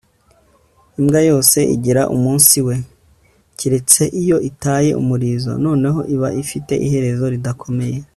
imbwa yose igira umunsi we, keretse iyo itaye umurizo, noneho iba ifite iherezo ridakomeye